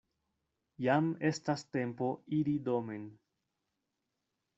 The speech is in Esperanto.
Jam estas tempo iri domen.